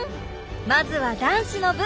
まずは男子の部。